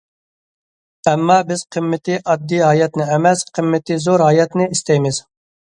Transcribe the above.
ئەمما بىز قىممىتى ئاددىي ھاياتنى ئەمەس، قىممىتى زور ھاياتنى ئىستەيمىز.